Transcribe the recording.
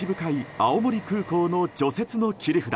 青森空港の除雪の切り札